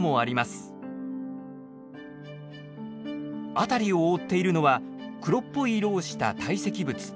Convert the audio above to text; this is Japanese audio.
辺りを覆っているのは黒っぽい色をした堆積物。